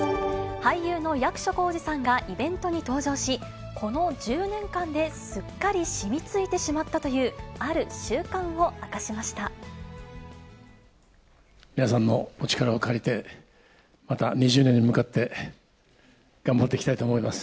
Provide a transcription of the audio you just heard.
俳優の役所広司さんがイベントに登場し、この１０年間ですっかり染みついてしまったという、皆さんのお力を借りて、また２０年に向かって、頑張っていきたいと思います。